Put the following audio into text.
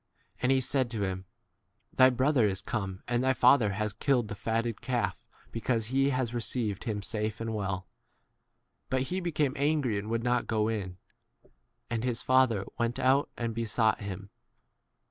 And he said to him, Thy brother is come, and thy father has killed the fat ted calf because he has received 28 him safe and well. But he became angry and would not go in. And r his father went out and besought 29 him.